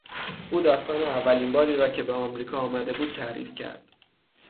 او داستان اولین باری را که به آمریکا آمده بود تعریف کرد.